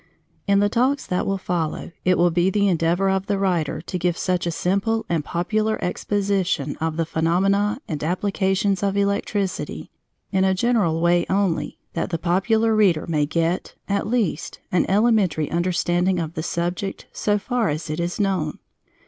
In the talks that will follow it will be the endeavor of the writer to give such a simple and popular exposition of the phenomena and applications of electricity, in a general way only, that the popular reader may get, at least, an elementary understanding of the subject so far as it is known.